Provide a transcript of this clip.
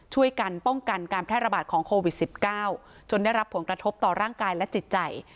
ช่วยกันป้องกันการแพร่ระบาดของโควิด๑๙จนได้รับผลกระทบต่อร่างกายและจิตใจ